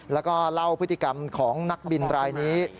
แล้วก็เล่าพฤติกรรมของนักบินรายนี้